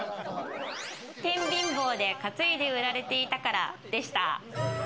天秤棒で担いで売られていたからでした。